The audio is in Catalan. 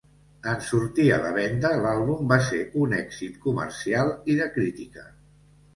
En sortir a la venda, l'àlbum va ser un èxit comercial i de crítica.